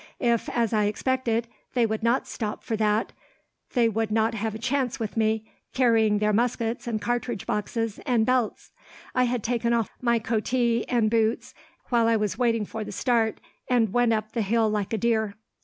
If, as I expected, they would not stop for that, they would not have a chance with me, carrying their muskets and cartridge boxes and belts. I had taken off my coatee and boots, while I was waiting for the start, and went up the hill like a deer.